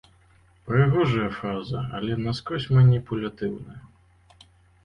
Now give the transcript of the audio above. Прыгожая фраза, але наскрозь маніпулятыўная.